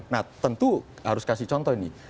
nah tentu harus kasih contoh ini